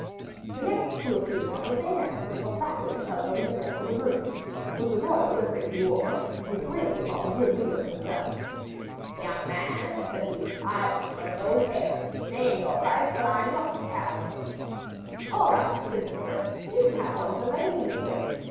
The next to appear on the same errand was a fat old fellow in the dress of a groom: it was the royal livery he wore, and he plainly thought a good deal of himself. 'Young man,' said he, 'I want one of those hares; name your price, but I MUST have one of them.' 'All right,' said Jesper; 'you can have one at an easy rate.